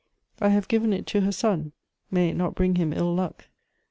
I have given it to her son: may it not bring him ill luck!